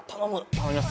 頼みます。